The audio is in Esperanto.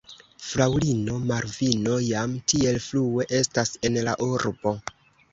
Fraŭlino Malvino jam tiel frue estas en la urbo.